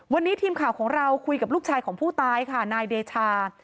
วันนี้ทีมข่าวของเราคุยกับลูกชายของผู้ตายค่ะนายเดชา